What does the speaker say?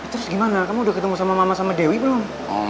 terus gimana kamu udah ketemu sama mama sama dewi belum